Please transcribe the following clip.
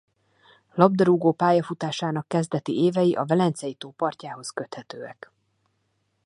Labdarúgó-pályafutásának kezdeti évei a Velencei-tó partjához köthetőek.